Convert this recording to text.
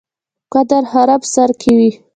قدرت هرم سر کې وي.